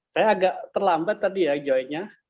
saya agak terlambat tadi ya join nya